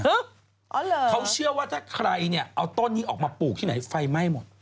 เขาเชื่อว่าถ้าใครเนี่ยเอาต้นนี้ออกมาปลูกที่ไหนไฟไหม้หมด